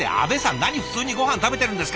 何普通にごはん食べてるんですか！